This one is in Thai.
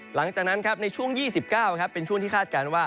หลังจากนั้นครับในช่วง๒๙เป็นช่วงที่คาดการณ์ว่า